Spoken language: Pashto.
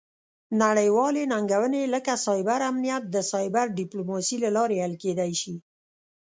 نړیوالې ننګونې لکه سایبر امنیت د سایبر ډیپلوماسي له لارې حل کیدی شي